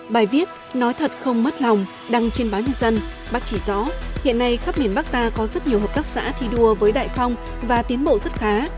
bài viết nói thật không mất lòng đăng trên báo nhân dân bác chỉ rõ hiện nay khắp miền bắc ta có rất nhiều hợp tác xã thi đua với đại phong và tiến bộ rất khá